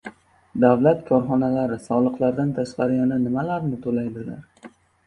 Davlat korxonalari soliqlardan tashqari yana nimalarni to‘laydilar?